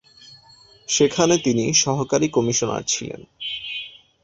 সেখানে তিনি সহকারী কমিশনার ছিলেন।